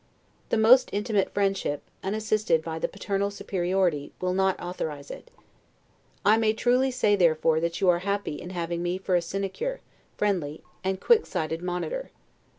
The most intimate friendship, unassisted by the paternal superiority, will not authorize it. I may truly say, therefore, that you are happy in having me for a sincere, friendly, and quick sighted monitor.